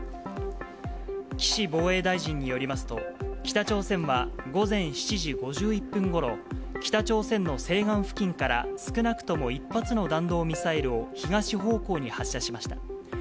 岸防衛大臣によりますと、北朝鮮は午前７時５１分ごろ、北朝鮮の西岸付近から少なくとも１発の弾道ミサイルを、東方向に発射しました。